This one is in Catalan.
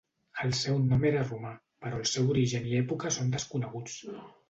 El seu nom era romà, però el seu origen i època són desconeguts.